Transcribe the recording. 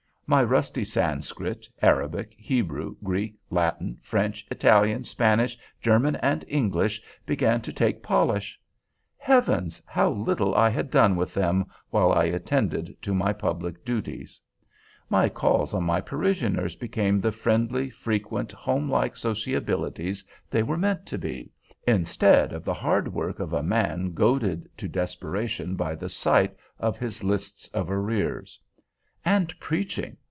My rusty Sanskrit, Arabic, Hebrew, Greek, Latin, French, Italian, Spanish, German and English began to take polish. Heavens! how little I had done with them while I attended to my public duties! My calls on my parishioners became the friendly, frequent, homelike sociabilities they were meant to be, instead of the hard work of a man goaded to desperation by the sight of his lists of arrears. And preaching!